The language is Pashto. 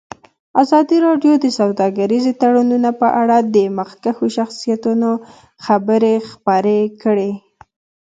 ازادي راډیو د سوداګریز تړونونه په اړه د مخکښو شخصیتونو خبرې خپرې کړي.